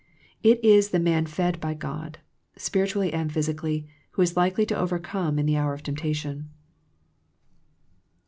It is the man fed by God, spiritually and physically who is likely to overcome in the hour of temptation.